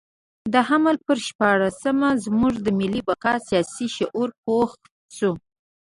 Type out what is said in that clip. د حمل پر شپاړلسمه زموږ د ملي بقا سیاسي شعور پوخ شو.